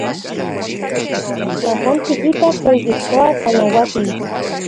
Tla san tikitaj tlen kijtoa tlanauatili.